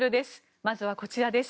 まずはこちらです。